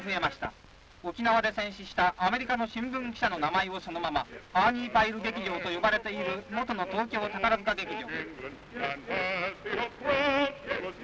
沖縄で戦死したアメリカの新聞記者の名前をそのままアーニーパイル劇場と呼ばれている元の東京宝塚劇場」。